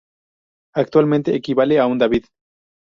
Actualmente equivale a un David.